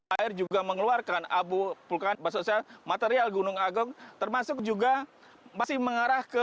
air juga mengeluarkan abu vulkanik material gunung agung termasuk juga masih mengarah ke